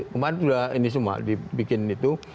kemarin sudah ini semua dibikin itu